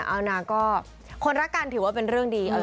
เอานะก็คนรักกันถือว่าเป็นเรื่องดี